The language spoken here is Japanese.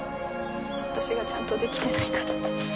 私がちゃんとできてないから。